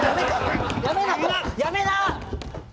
やめな！